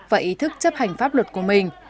và ý thức chấp hành pháp luật của mình